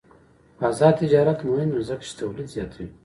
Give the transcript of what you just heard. آزاد تجارت مهم دی ځکه چې تولید زیاتوي.